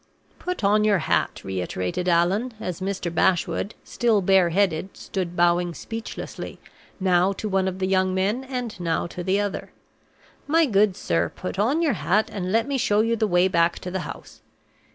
"Put on your hat," reiterated Allan, as Mr. Bashwood, still bareheaded, stood bowing speechlessly, now to one of the young men, and now to the other. "My good sir, put on your hat, and let me show you the way back to the house.